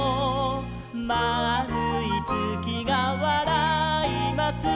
「まあるいつきがわらいます」